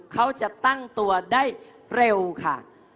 เขาจะตั้งตัวได้เร็วค่ะ